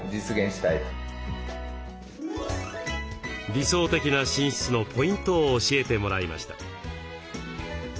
理想的な寝室のポイントを教えてもらいました。